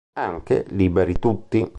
Anche "Liberi tutti!